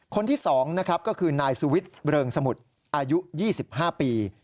คนที่๒นะครับก็คือนายสุวิทย์เริงสมุทรอายุ๒๕ปี